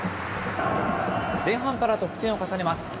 前半から得点を重ねます。